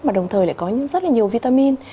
mà đồng thời lại có rất là nhiều vitamin